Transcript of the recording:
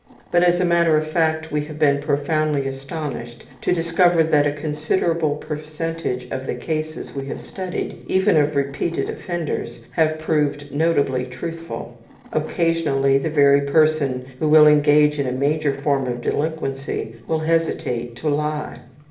But as a matter of fact we have been profoundly astonished to discover that a considerable percentage of the cases we have studied, even of repeated offenders, have proved notably truthful. Occasionally the very person who will engage in a major form of delinquency will hesitate to lie.